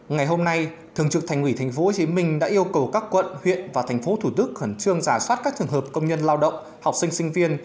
ngày hôm nay thường trực thành ủy tp hồ chí minh đã yêu cầu các quận huyện và thành phố thủ tức khẩn trương giả soát các trường hợp công nhân lao động học sinh sinh viên